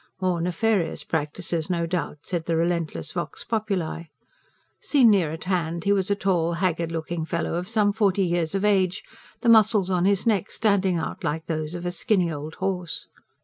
More nefarious practices no doubt, said the relentless VOX POPULI. Seen near at hand, he was a tall, haggard looking fellow of some forty years of age, the muscles on his neck standing out like those of a skinny old horse.